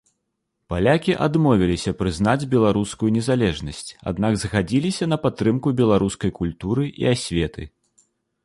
Палякі адмовіліся прызнаць беларускую незалежнасць, аднак згадзіліся на падтрымку беларускай культуры і асветы.